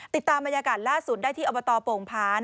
ติดตามบรรยากาศล่าสุดได้ที่อบตโป่งพา